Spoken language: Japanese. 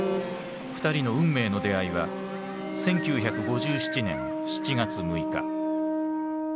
２人の運命の出会いは１９５７年７月６日。